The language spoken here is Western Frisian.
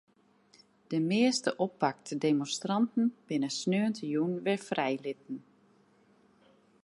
De measte oppakte demonstranten binne sneontejûn wer frijlitten.